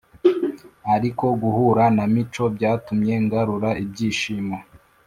ariko guhura na mico byatumye ngarura ibyishimo